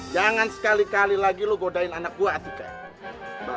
jangan sekali kali lagi lo godain anak gue atika